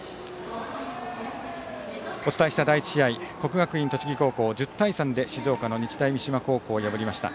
お伝えした第１試合国学院栃木高校１０対３で静岡の日大三島高校を破りました。